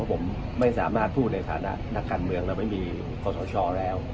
ผมไม่สามารถพูดในฐานะนักการเมืองแล้วไม่มีขอสชแล้ว